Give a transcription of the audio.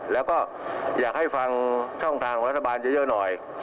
แล้วก็อยากให้ฟังช่องทางของรัฐบาลเยอะหน่อย